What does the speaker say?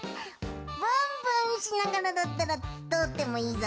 ブンブンしながらだったらとおってもいいぞ！